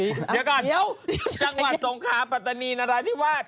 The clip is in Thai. เดี๋ยวก่อนจังหวัดตรงค้าปะตะนีนราธิวาส